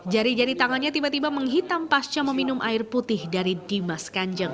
jari jari tangannya tiba tiba menghitam pasca meminum air putih dari dimas kanjeng